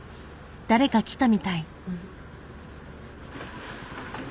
誰か来たみたい。